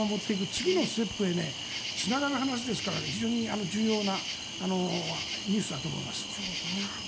次のステップへつながる話ですから非常に重要なニュースだと思います。